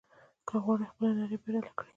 که غواړې خپله نړۍ بدله کړې.